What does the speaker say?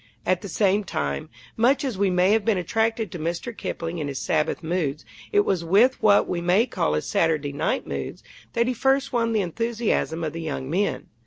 At the same time, much as we may have been attracted to Mr. Kipling in his Sabbath moods, it was with what we may call his Saturday night moods that he first won the enthusiasm of the young men.